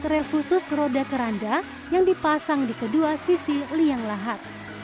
rel khusus roda keranda yang dipasang di kedua sisi liang lahat